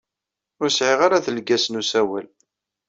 Ur sɛiɣ ara adelgas n usawal.